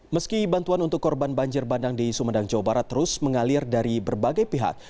meski bantuan untuk korban banjir bandang di sumedang jawa barat terus mengalir dari berbagai pihak